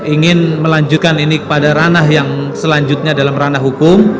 ingin melanjutkan ini kepada ranah yang selanjutnya dalam ranah hukum